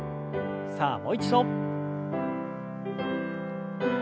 さあもう一度。